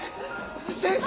先生！